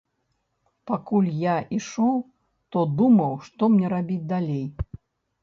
Пакуль я ішоў, то думаў, што мне рабіць далей.